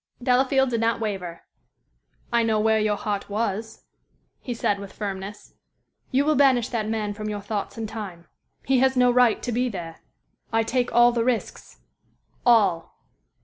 Delafield did not waver. "I know where your heart was," he said, with firmness. "You will banish that man from your thoughts in time. He has no right to be there. I take all the risks all."